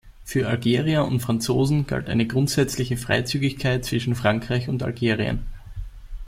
Für Algerier und Franzosen galt eine grundsätzliche Freizügigkeit zwischen Frankreich und Algerien.